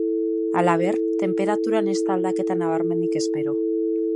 Halaber, tenperaturan ez da aldaketa nabarmenik espero.